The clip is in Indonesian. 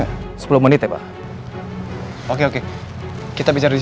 ya these dua ribu sembilan belas yang dadu dadu nih masuknya tanyakan ya ini nggak ada pekerjaan boys